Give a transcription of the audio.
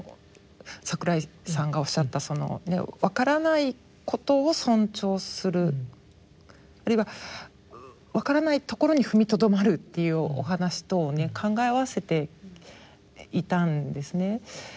わからないことを尊重するあるいはわからないところに踏みとどまるっていうお話とをね考えあわせていたんですね。